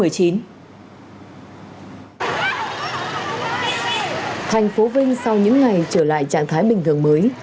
thành phố vinh sau những ngày trở lại trạng thái bình thường mới